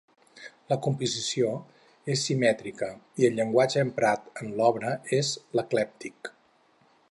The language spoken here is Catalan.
La composició és simètrica i el llenguatge emprat en l'obra és l'eclèctic.